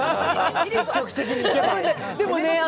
積極的にいけばね。